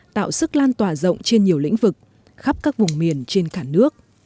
tạo sức lan tỏa rộng trên nhiều lĩnh vực khắp các vùng miền trên cả nước